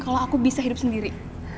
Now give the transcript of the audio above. kalau aku bisa hidup sendiri